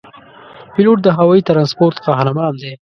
پیلوټ د هوايي ترانسپورت قهرمان دی.